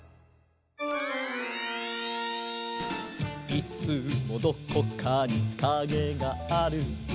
「いつもどこかにカゲがある」